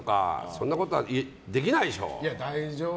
そんなことはできないでしょ！